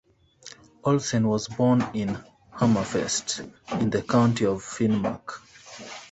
Olsen was born in Hammerfest, in the county of Finnmark.